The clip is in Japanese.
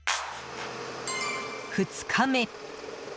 ２日目。